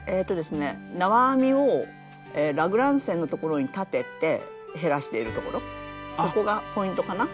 縄編みをラグラン線のところに立てて減らしているところそこがポイントかな。